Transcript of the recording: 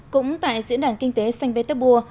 cũng tại diễn đàn kinh tế saint béthébourg